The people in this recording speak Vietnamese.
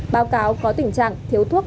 báo cáo có tình trạng thiếu thuốc